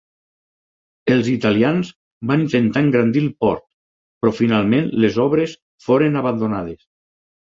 Els italians van intentar engrandir el port, però finalment les obres foren abandonades.